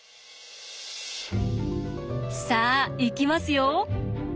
さあいきますよ。